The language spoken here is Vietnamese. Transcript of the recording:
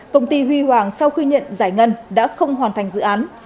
công ty huy hoàng sau khuyên nhận giải ngân đã không hoàn thành dự án